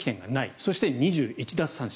そして、２１奪三振。